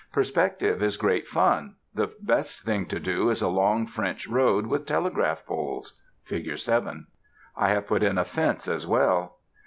PERSPECTIVE is great fun: the best thing to do is a long French road with telegraph poles (Fig. 7). I have put in a fence as well.